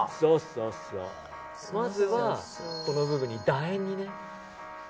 まずは、この部分に楕円にね。